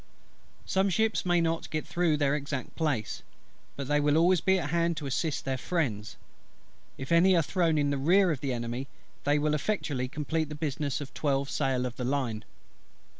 Some ships may not get through their exact place, but they will always be at hand to assist their friends. If any are thrown in the rear of the Enemy, they will effectually complete the business of twelve sail of the Enemy.